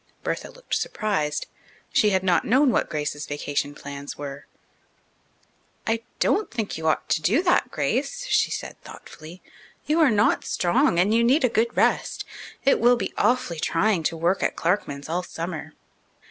Bertha looked surprised. She had not known what Grace's vacation plans were. "I don't think you ought to do that, Grace," she said thoughtfully. "You are not strong, and you need a good rest. It will be awfully trying to work at Clarkman's all summer."